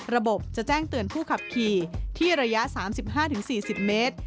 ระบบจะแจ้งเตือนผู้ขับขี่ที่ระยะ๓๕๔๐เมตร